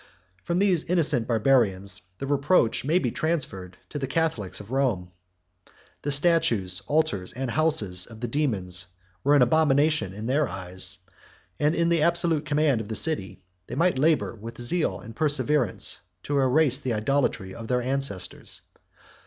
From these innocent Barbarians, the reproach may be transferred to the Catholics of Rome. The statues, altars, and houses, of the dæmons, were an abomination in their eyes; and in the absolute command of the city, they might labor with zeal and perseverance to erase the idolatry of their ancestors.